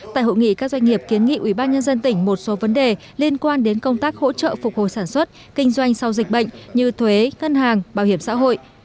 tại hội nghị các doanh nghiệp kiến nghị ubnd tỉnh một số vấn đề liên quan đến công tác hỗ trợ phục hồi sản xuất kinh doanh sau dịch bệnh như thuế cân hàng bảo hiểm xã hội